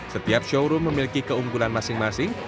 setiap showroom memiliki keunggulan masing masing